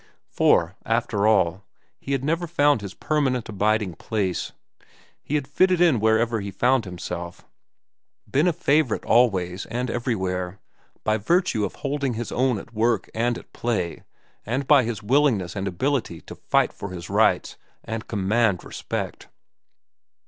For, after all, he had never found his permanent abiding place. He had fitted in wherever he found himself, been a favorite always and everywhere by virtue of holding his own at work and at play and by his willingness and ability to fight for his rights and command respect.